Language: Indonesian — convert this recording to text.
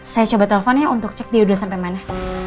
saya coba teleponnya untuk cek dia udah sampai mana